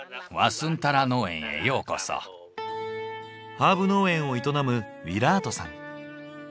ハーブ農園を営むウィラートさん。